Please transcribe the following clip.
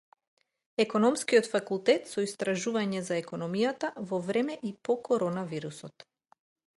Економскиот факултет со истражување за економијата во време и по Корона вирусот